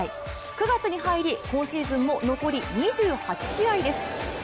９月に入り、今シーズンも残り２８試合です。